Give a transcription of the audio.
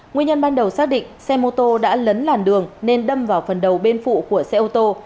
nguyên nhân ban đầu xác định xe mô tô đã lấn làn đường nên đâm vào phần đầu bên phụ của xe ô tô